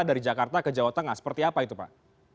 dari jakarta ke jawa tengah seperti apa itu pak